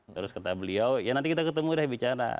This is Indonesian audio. terus kata beliau ya nanti kita ketemu deh bicara